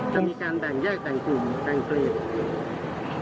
จะมีการแบ่งแยกแบ่งกลุ่มแบ่งเกรด